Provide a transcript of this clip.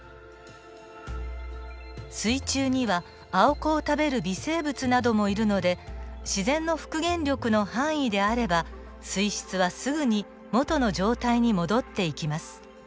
水中にはアオコを食べる微生物などもいるので自然の復元力の範囲であれば水質はすぐに元の状態に戻っていきます。